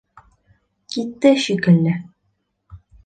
Китте шикелле.